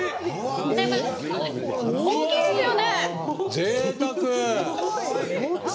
大きいですよね！